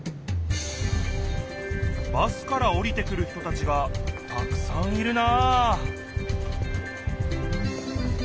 バスからおりてくる人たちがたくさんいるな！